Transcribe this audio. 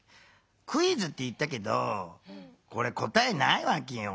「クイズ」って言ったけどこれ答えないわけよ。